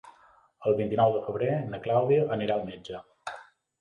El vint-i-nou de febrer na Clàudia anirà al metge.